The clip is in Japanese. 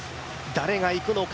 誰が行くのか。